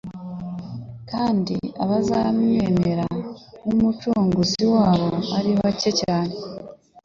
kandi ko abazamwemera nk'Umukiza wabo ari bake cyane.